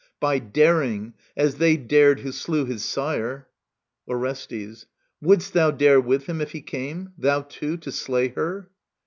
By daring, as they dared who slew his sire I Orestes. Wouldst thou dare with him, if he came, thou too. To slay her?